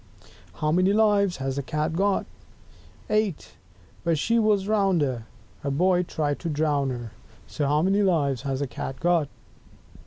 3 How many Lives has the Cat got? EIGHT! But, when she was rounder, A boy tried to drown her; So how many Lives has the Cat got?